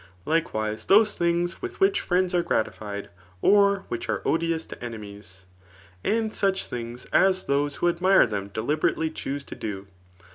Likewise, those things mth wbich friends are gratified, or which are odious to eafr> wesi. And such things as those who admire them deliberately chuse to do.